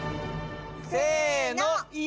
せの。